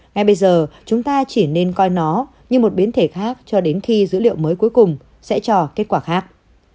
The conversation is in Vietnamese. ngay bây giờ chúng ta chỉ nên coi nó như một biến thể khác cho đến khi dữ liệu mới cuối cùng sẽ cho kết quả khác